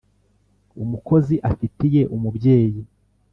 umukozi afitiye umubyeyi